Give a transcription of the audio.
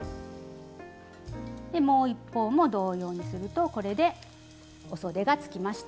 もう一方も同様にするとこれでおそでがつきました。